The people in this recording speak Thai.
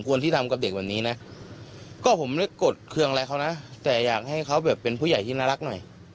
ควรที่ทำกับเด็กแบบนี้น่ะก็ผมเป็นเป็นอักลักษณ์อืมแล้ว